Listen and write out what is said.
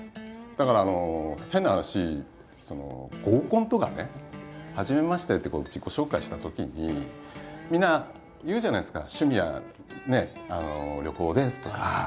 だから変な話合コンとかね「はじめまして」って自己紹介したときにみんな言うじゃないですか「趣味は旅行です」とか。